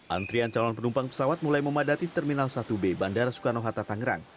antrian calon penumpang pesawat mulai memadati terminal satu b bandara soekarno hatta tangerang